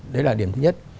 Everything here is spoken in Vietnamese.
đấy là điểm thứ nhất